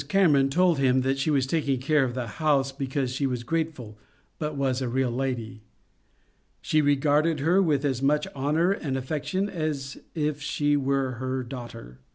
Cameron told him that she was taking care of the house because she was grateful, but was a real lady ; she re garded her with as much honour and affection as if she were her daughter.